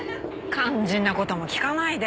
肝心な事も聞かないで。